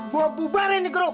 gua bubarin nih grup